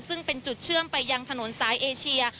ซึ่งเป็นจุดเชื่อมไปยังถนนสายเอเชีย